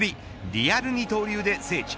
リアル二刀流で聖地